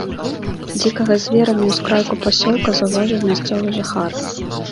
Дзікага звера на ўскрайку пасёлка заўважыў мясцовы жыхар.